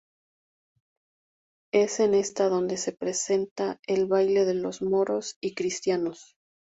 Es en esta donde se presenta el baile de los Moros y Cristianos.